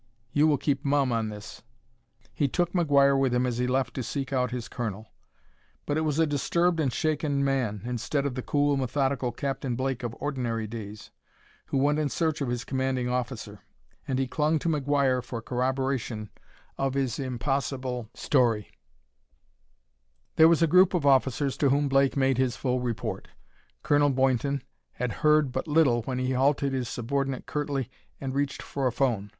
"You will keep mum on this." He took McGuire with him as he left to seek out his colonel. But it was a disturbed and shaken man, instead of the cool, methodical Captain Blake of ordinary days, who went in search of his commanding officer. And he clung to McGuire for corroboration of his impossible story. There was a group of officers to whom Blake made his full report. Colonel Boynton had heard but little when he halted his subordinate curtly and reached for a phone.